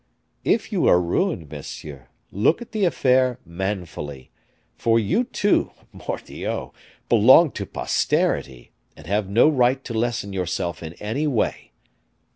If you are ruined, monsieur, look at the affair manfully, for you too, mordioux! belong to posterity, and have no right to lessen yourself in any way.